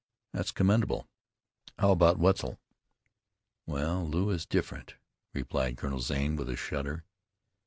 "That's commendable. How about Wetzel?" "Well, Lew is different," replied Colonel Zane with a shudder.